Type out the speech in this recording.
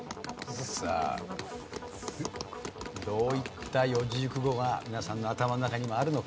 さあどういった四字熟語が皆さんの頭の中にもあるのか？